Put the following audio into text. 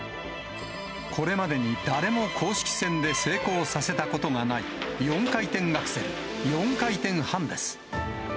これまでに誰も公式戦で成功させたことがない４回転アクセル・４回転半です。